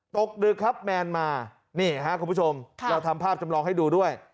ตกดึกครับแมนมานี่ฮะคุณผู้ชมเราทำภาพจำลองให้ดูด้วย